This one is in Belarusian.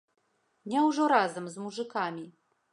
Няўжо разам з мужыкамі?